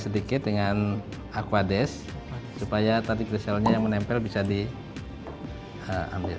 sedikit dengan akuades supaya tadi griselnya yang menempel bisa diambil